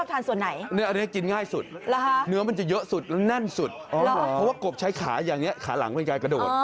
ทานส่วนไหนอันนี้กินง่ายสุดเนื้อมันจะเยอะสุดแล้วแน่นสุดเพราะว่ากบใช้ขาอย่างนี้ขาหลังมันจะกระโดด